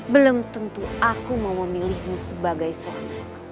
belum tentu aku mau memilihmu sebagai suami